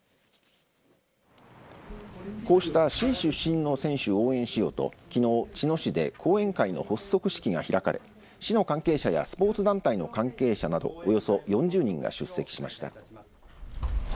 こうした市出身の選手を応援しようときのう茅野市で後援会の発足式が開かれ市の関係者やスポーツ団体の関係者などおよそ４０人が出席しました。